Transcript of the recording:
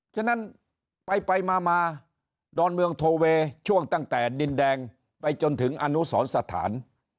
ฉะนั้นไปมาดอนเมืองโทเวย์ช่วงตั้งแต่ดินแดงไปจนถึงอนุสรสถาน